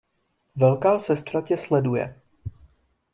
Velká Sestra tě sleduje!